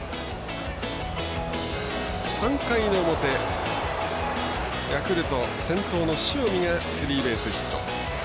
３回の表、ヤクルト先頭の塩見がスリーベースヒット。